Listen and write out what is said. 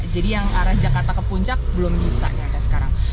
jadi yang arah jakarta ke puncak belum bisa nggak ada sekarang